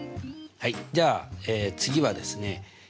じゃあ次はですね